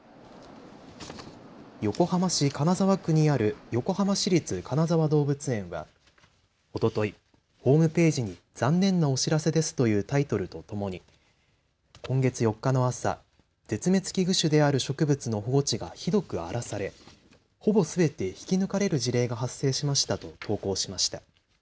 横浜市金沢区にある横浜市立金沢動物園はおととい、ホームページに残念なお知らせですというタイトルとともに今月４日の朝、絶滅危惧種である植物の保護地がひどく荒らされほぼすべて引き抜かれる事例が発生しましたと投稿しました。